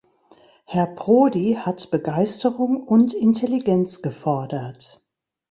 Herr Prodi hat Begeisterung und Intelligenz gefordert.